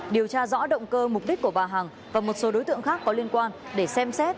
điều tra rõ động cơ mục đích của bà hằng và một số đối tượng khác có liên quan để xem xét